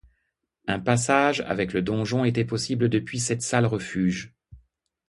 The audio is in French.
Un passage avec le donjon était possible depuis cette salle refuge.